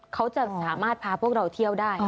เขาจะสามารถพาพวกเราเที่ยวได้